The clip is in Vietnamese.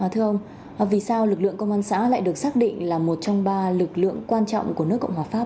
thưa ông vì sao lực lượng công an xã lại được xác định là một trong ba lực lượng quan trọng của nước cộng hòa pháp